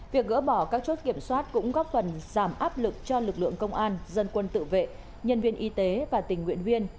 việc gỡ bỏ các chốt kiểm soát cũng góp phần giảm áp lực cho lực lượng công an dân quân tự vệ nhân viên y tế và tình nguyện viên